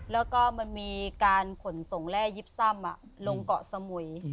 แล้วก็มันมีการขนส่งแร่ยิบซ่ำลงเกาะสมุย